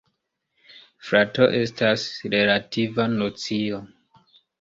Frato estas relativa nocio.